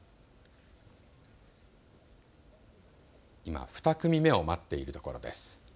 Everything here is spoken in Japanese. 今２組目を待っているところです。